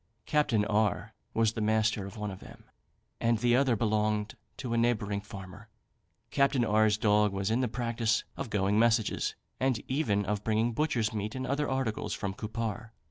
Capt. R was the master of one of them, and the other belonged to a neighbouring farmer. Capt. R 's dog was in the practice of going messages, and even of bringing butchers' meat and other articles from Cupar.